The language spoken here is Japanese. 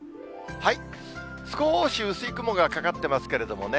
少し薄い雲がかかってますけれどもね。